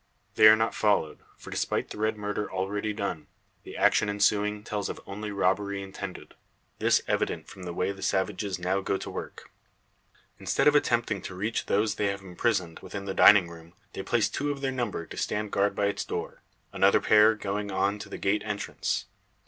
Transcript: They are not followed; for despite the red murder already done, the action ensuing, tells of only robbery intended. This evident from the way the savages now go to work. Instead of attempting to reach those they have imprisoned within the dining room, they place two of their number to stand guard by its door; another pair going on to the gate entrance.